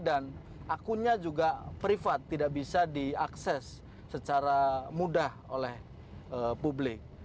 dan akunnya juga privat tidak bisa diakses secara mudah oleh publik